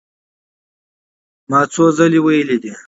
ما څو څو ځله وئيلي دي